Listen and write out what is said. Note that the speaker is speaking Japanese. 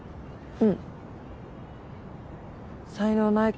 うん。